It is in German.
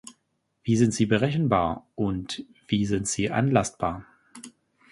Wie sind sie berechenbar und wie sind sie anlastbar?